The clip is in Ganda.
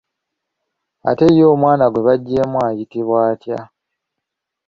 Ate ye omwana gwe baggyeemu ayitibwa atya?